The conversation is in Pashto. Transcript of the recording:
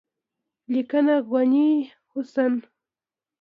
لیکنه: غني حسن